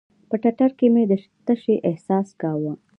په ټټر کښې مې د تشې احساس کاوه.